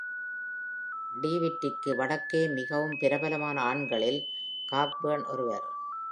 ட்வீட்டிற்கு வடக்கே மிகவும் பிரபலமான ஆண்களில் காக்பர்ன் ஒருவர்.